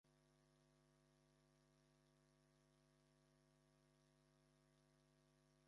O God's Prophet! How is it revealed to you?